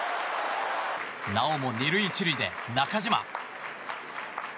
なおも２塁１塁で中島。